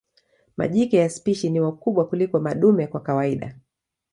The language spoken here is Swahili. Majike ya spishi ni wakubwa kuliko madume kwa kawaida.